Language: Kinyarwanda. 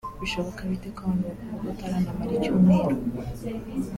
bishoboka bite ko abantu bakuvuga utaranamara icyumweru